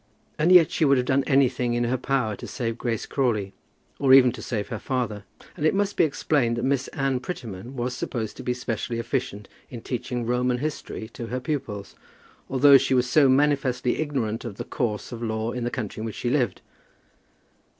And yet she would have done anything in her power to save Grace Crawley, or even to save her father. And it must be explained that Miss Anne Prettyman was supposed to be specially efficient in teaching Roman history to her pupils, although she was so manifestly ignorant of the course of law in the country in which she lived.